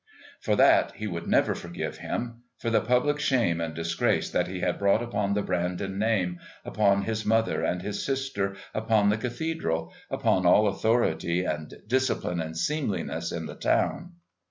For that he would never forgive him, for the public shame and disgrace that he had brought upon the Brandon name, upon his mother and his sister, upon the Cathedral, upon all authority and discipline and seemliness in the town.